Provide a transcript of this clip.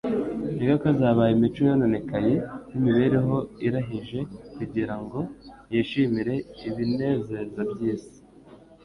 Ingaruka zabaye imico yononekaye, n'imibereho irahije kugira ngo yishimire ibinezeza by'isi